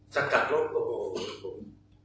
สกัดรถโอ้โหมันกระโยชน์